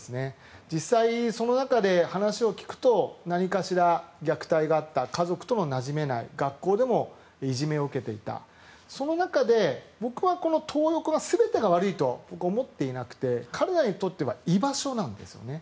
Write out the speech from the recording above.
実際その中で話を聞くと何かしら、虐待があった家族ともなじめない学校でもいじめを受けていたその中で僕はトー横が全てが悪いとは僕は思っていなくて彼らにとっては居場所なんですよね。